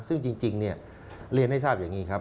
ซึ่งจริงเนี่ยเรียนให้ทราบอย่างนี้ครับ